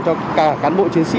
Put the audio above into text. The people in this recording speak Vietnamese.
cho cả cán bộ chiến sĩ